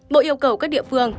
bộ yêu cầu các địa phương